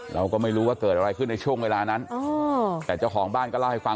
เราก็ไม่รู้ว่าเกิดอะไรขึ้นในช่วงเวลานั้นแต่เจ้าของบ้านก็เล่าให้ฟัง